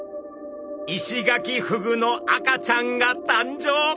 イシガキフグの赤ちゃんが誕生！